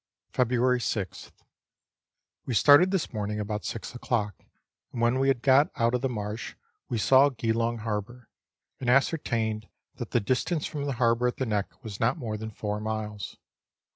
February 6th. We started this morning about six o'clock, and when we had got out of the marsh, we saw Geelong Harbour, and ascertained that the distance from the harbour at the neck was not more than four miles.